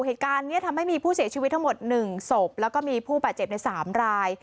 เหตุการณ์นี้ทำให้มีผู้เสียชีวิตทั้งหมด๑ศพแล้วก็มีผู้บาดเจ็บใน๓ราย